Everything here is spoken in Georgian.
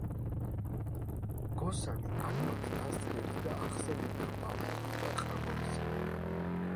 მგოსანი აკვანს დასცქერის და ახსენდება ბავშვობისა და ყრმობის წლები.